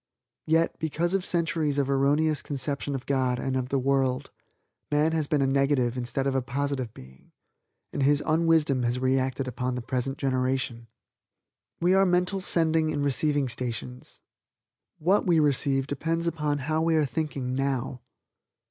Yet, because of centuries of erroneous conception of God and of the world, man has been a negative instead of a positive being, and his unwisdom has reacted upon the present generation. We are mental sending and receiving stations. What we receive depends upon how we are thinking Now.